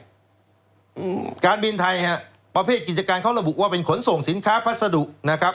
อืมการบินไทยฮะประเภทกิจการเขาระบุว่าเป็นขนส่งสินค้าพัสดุนะครับ